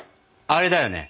あれだよね？